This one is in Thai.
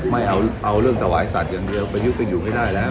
ไม่เอาเรื่องถวายสัตว์อย่างเดียวประยุทธ์ก็อยู่ไม่ได้แล้ว